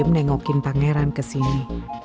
gue diam diam nengokin pangeran kesini